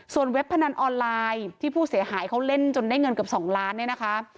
เว็บพนันออนไลน์ที่ผู้เสียหายเขาเล่นจนได้เงินเกือบ๒ล้านเนี่ยนะคะ